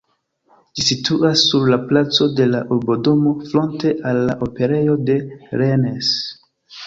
Ĝi situas sur la placo de la urbodomo fronte al la operejo de Rennes.